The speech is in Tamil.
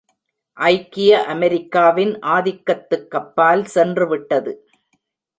ஐக்கிய அமெரிக்காவின் ஆதிக்கத்துக்கப்பால் சென்றுவிட்டது.